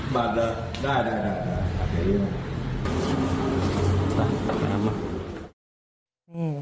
บัตรแล้วได้